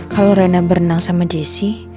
kalau reina berenang sama jessy